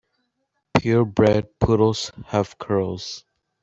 Pure bred poodles have curls.